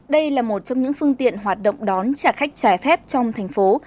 đây là một trong những phương tiện hoạt động đón trả khách trái phép trong thành phố